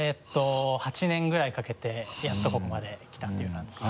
８年ぐらいかけてやっとここまで来たっていう感じです。